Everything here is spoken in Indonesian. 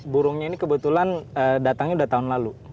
burungnya ini kebetulan datangnya udah tahun lalu